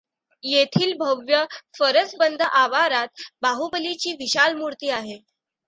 येथील भव्य फरसबंद आवारात बाहुबलीची विशाल मूर्ती आहे.